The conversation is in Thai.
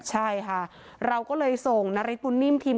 ใช่คะเราก็เลยส่งนรทบุ่นนิ่มทีม